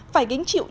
phải kính chịu chung